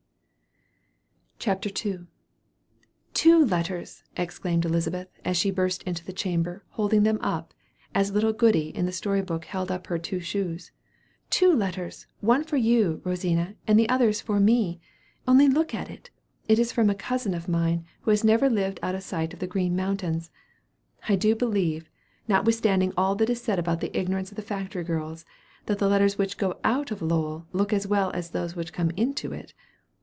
CHAPTER II. "Two letters!" exclaimed Elizabeth, as she burst into the chamber, holding them up, as little Goody in the storybook held up her "two shoes;" "two letters! one for you, Rosina, and the other is for me. Only look at it! It is from a cousin of mine, who has never lived out of sight of the Green Mountains. I do believe, notwithstanding all that is said about the ignorance of the factory girls, that the letters which go out of Lowell look as well as those which come into it.